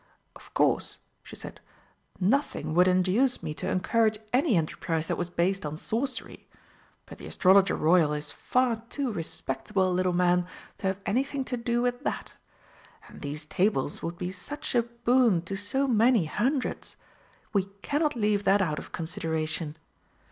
"Of course," she said, "nothing would induce me to encourage any enterprise that was based on Sorcery. But the Astrologer Royal is far too respectable a little man to have anything to do with that. And these tables would be such a boon to so many hundreds! We cannot leave that out of consideration.